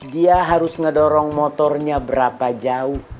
dia harus ngedorong motornya berapa jauh